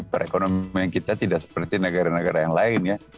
perekonomian kita tidak seperti negara negara yang lain ya